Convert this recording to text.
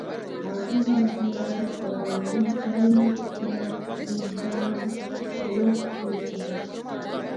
Abakulu b'amasomero agakola obubi balina okussibwa eddaala oba okukyusibwa.